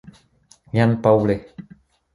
Jan Pauly.